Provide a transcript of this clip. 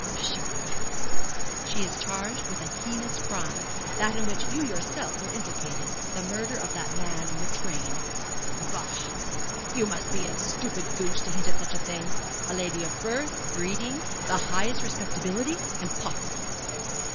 Psha!" "She is charged with a heinous crime that in which you yourself were implicated the murder of that man on the train." "Bah! You must be a stupid goose, to hint at such a thing! A lady of birth, breeding, the highest respectability impossible!"